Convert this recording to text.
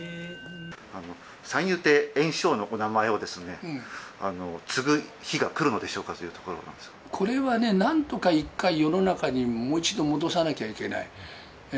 三遊亭圓生のこの名前を継ぐ日が来るのでしょうかというとここれはね、なんとか一回、世の中にもう一度戻さなきゃいけない。